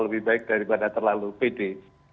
lebih baik daripada terlalu pede